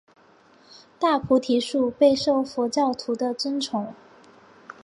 大菩提树备受佛教徒的尊崇。